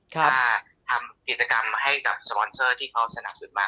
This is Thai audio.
ถ้าทำกิจกรรมให้กับสปอนเซอร์ที่เขาสนับสนุนมา